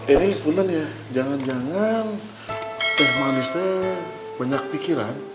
ini punten ya jangan jangan teh manisnya banyak pikiran